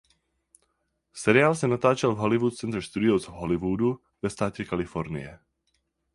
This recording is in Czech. Seriál se natáčel v Hollywood Center Studios v Hollywoodu ve státě Kalifornie.